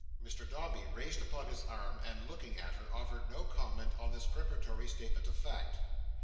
Mr Dombey, raised upon his arm and looking at her, offered no comment on this preparatory statement of fact.